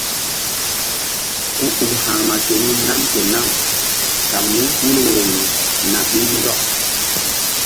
Ku uk ha̧rma keni nam ke nam kan mí hul woyri na ɓil ndɔk.